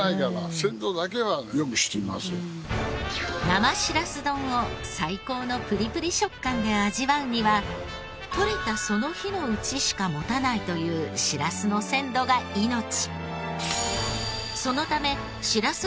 生しらす丼を最高のプリプリ食感で味わうには取れたその日のうちしかもたないというそのためしらす漁には細心の工夫が必要となります。